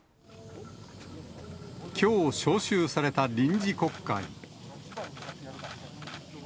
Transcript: きょう召集された臨時国会。